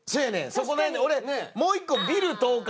そこね俺もう一個ビル倒壊